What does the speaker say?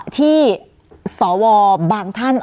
ที่สวบางท่าน